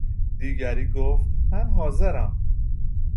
دیگری گفت من حاضرم